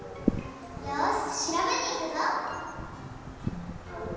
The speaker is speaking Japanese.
よししらべにいくぞ！